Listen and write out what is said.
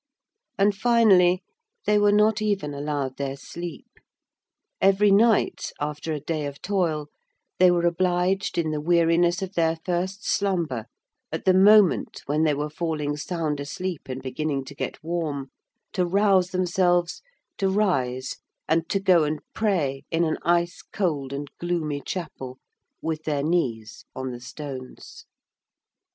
And finally, they were not even allowed their sleep; every night, after a day of toil, they were obliged, in the weariness of their first slumber, at the moment when they were falling sound asleep and beginning to get warm, to rouse themselves, to rise and to go and pray in an ice cold and gloomy chapel, with their knees on the stones.